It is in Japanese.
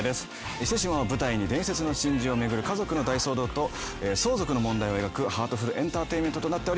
伊勢志摩を舞台に伝説の真珠を巡る家族の大騒動と相続の問題を描くハートフル・エンターテイメントとなっております。